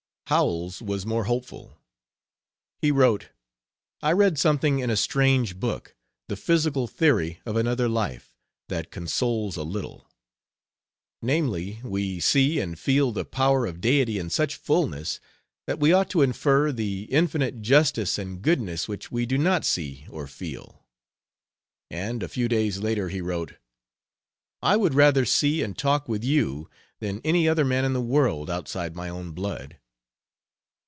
Howells was more hopeful. He wrote: "I read something in a strange book, The Physical Theory of Another Life, that consoles a little; namely, we see and feel the power of Deity in such fullness that we ought to infer the infinite justice and Goodness which we do not see or feel." And a few days later, he wrote: "I would rather see and talk with you than any other man in the world outside my own blood."